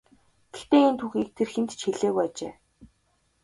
Гэхдээ энэ түүхийг тэр хэнд ч хэлээгүй ажээ.